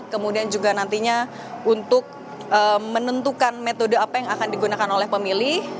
kemudian juga nantinya untuk menentukan metode apa yang akan digunakan oleh pemilih